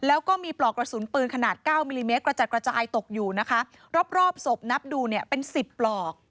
แล้วก็มีปลอกกระสุนปืนขนาดเก้ามิลลิเมตรกระจัดกระจายตกอยู่นะคะรอบรอบศพนับดูเนี่ยเป็นสิบปลอก